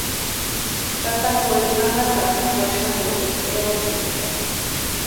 Tata Joeli anatapurhu waxantukusti eratsintʼani.